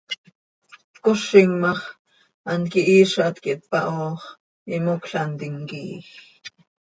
Tcozim ma x, hant quihiizat quih tpaho x, imocl hant imquiij.